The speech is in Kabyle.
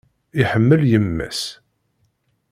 Iḥemmel yemma-s.